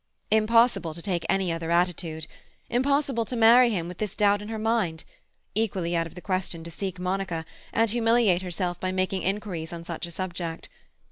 Impossible to take any other attitude. Impossible to marry him with this doubt in her mind—equally out of the question to seek Monica, and humiliate herself by making inquiries on such a subject.